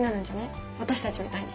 私たちみたいに。